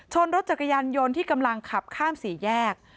รถจักรยานยนต์ที่กำลังขับข้ามสี่แยก